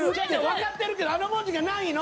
わかってるけどあの文字がないの。